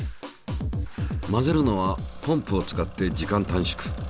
混ぜるのはポンプを使って時間短縮。